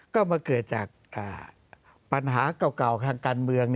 ก็มาเกิดจากปัญหาเก่าทางการเมือง